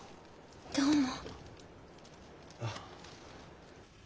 どうも。